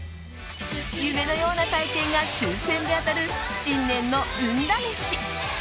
夢のような体験が抽選で当たる新年の運試し。